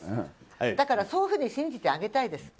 だから、そういうふうに信じてあげたいです。